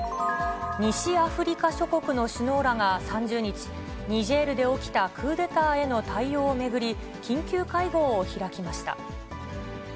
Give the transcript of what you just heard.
西アフリカ諸国の首脳らが３０日、ニジェールで起きたクーデターへの対応を巡り、緊急会合を開きました。